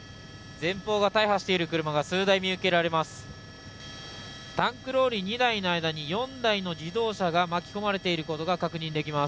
前方が大破している車が数台、見受けられます。